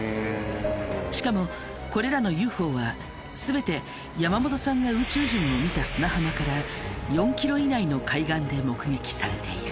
しかもこれらのＵＦＯは全て山本さんが宇宙人を見た砂浜から４ｋｍ以内の海岸で目撃されている。